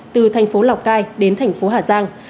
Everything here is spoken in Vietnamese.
từ thành phố lào cai đến thành phố hà giang